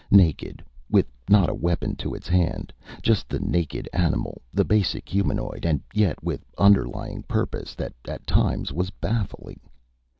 Naked, with not a weapon to its hand just the naked animal, the basic humanoid, and yet with underlying purpose that at times was baffling.